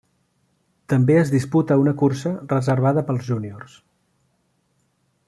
També es disputa una cursa reservada pels júniors.